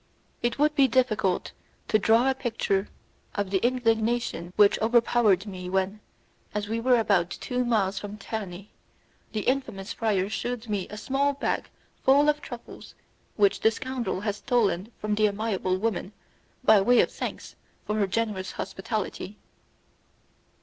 It would be difficult to draw a picture of the indignation which overpowered me when, as we were about two miles from Terni, the infamous friar shewed me a small bag full of truffles which the scoundrel had stolen from the amiable woman by way of thanks for her generous hospitality.